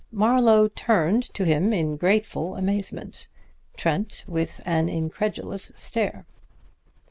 Marlowe turned to him in grateful amazement, Trent with an incredulous stare.